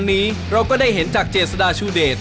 วันนี้เราก็ได้เห็นจากเจษฎาชูเดช